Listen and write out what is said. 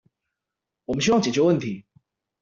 我們希望解決問題